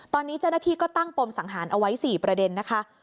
ตอนนี้เจ้าหน้าที่ก็ตั้งปมสังหารเอาไว้๔ประเด็นนะคะ